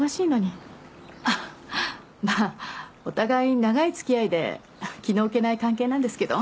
あっまあお互い長い付き合いで気の置けない関係なんですけど。